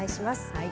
はい。